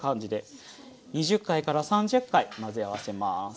２０回から３０回混ぜ合わせます。